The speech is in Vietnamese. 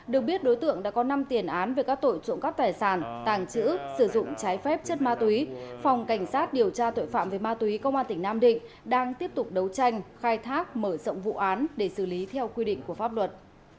được biết đối tượng đã có năm tiền án về các tội trộm cắp tài sản tàng trữ sử dụng trái phép chất ma túy phòng cảnh sát điều tra tội phạm về ma túy công an tỉnh nam định đang tiếp tục đấu tranh khai thác mở rộng vụ án để xử lý theo quy định của pháp luật